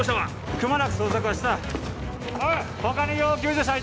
くまなく捜索はしたおい